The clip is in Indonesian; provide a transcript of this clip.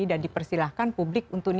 dan dipersilahkan publik untuk